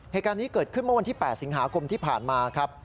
เหตุการณ์นี้เกิดขึ้นเมื่อวันที่๘สิงหาคมที่ผ่านมาครับ